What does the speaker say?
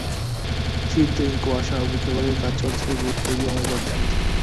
শীত কুয়াশা উপেক্ষা করে কাজ চলছে ভোর থেকে অনেক রাত পর্যন্ত।